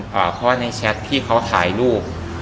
เพราะว่าในแชทที่เขาถ่ายรูป